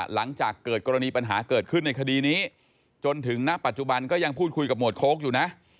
หลังจากเกิดกรณีปัญหาเกิดขึ้นในคดีนี้จนถึงณปัจจุบันก็ยังพูดคุยกับหมวดโค้กอยู่นะ